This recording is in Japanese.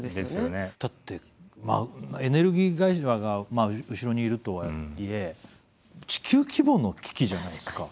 だってエネルギー会社が後ろにいるとはいえ地球規模の危機じゃないですか。